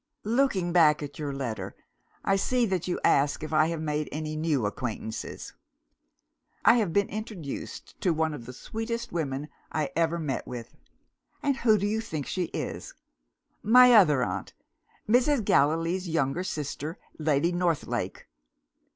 "Looking back at your letter, I see that you ask if I have made any new acquaintances. "I have been introduced to one of the sweetest women I ever met with. And who do you think she is? My other aunt Mrs. Gallilee's younger sister, Lady Northlake!